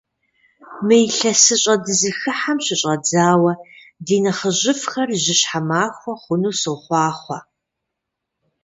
Мы илъэсыщӀэ дызыхыхьэм щыщӀэдзауэ ди нэхъыжьыфӀхэр жьыщхьэ махуэ хъуну сохъуахъуэ!